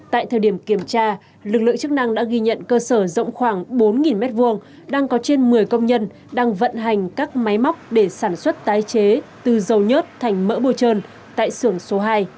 tại thời điểm kiểm tra lực lượng chức năng đã ghi nhận cơ sở rộng khoảng bốn m hai đang có trên một mươi công nhân đang vận hành các máy móc để sản xuất tái chế từ dầu nhớt thành mỡ bồ trơn tại xưởng số hai